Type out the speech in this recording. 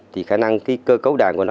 thì khả năng cơ cấu đàn của nó